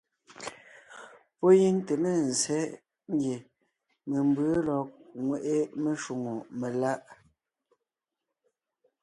Pɔ́ gíŋ te ne ńzsé ngie membʉ̌ lɔg ńŋweʼe meshwóŋè meláʼ.